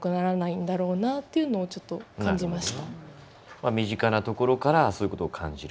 まあ身近なところからそういうことを感じると。